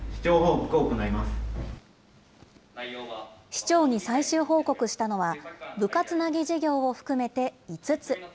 市長に最終報告したのは、ぶかつなぎ事業を含めて５つ。